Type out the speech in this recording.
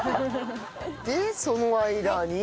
でその間に。